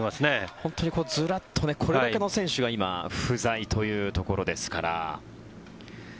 本当にずらっとこれだけの選手が今、不在というところですから。